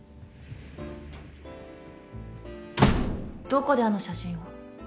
どこであの写真を？